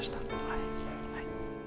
はい。